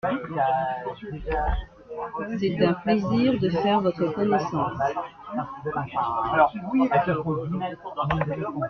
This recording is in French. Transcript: C’est un plaisir de faire votre connaissance.